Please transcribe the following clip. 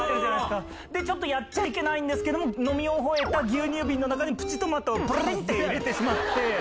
やっちゃいけないんですけど飲み終えた牛乳瓶にプチトマトをブルリン！って入れてしまって。